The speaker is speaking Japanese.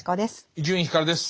伊集院光です。